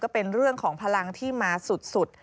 เป็นเรื่องของพลังที่มาสุด